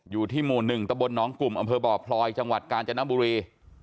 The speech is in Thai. อยู่ที่หมู่๑ตะบนน้องกลุ่มอำเภอบ่อพลอยจังหวัดกาญจนบุรี